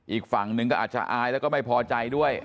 อีกฝั่งหนึ่งก็อาจจะอายแล้วก็ไม่พอใจด้วย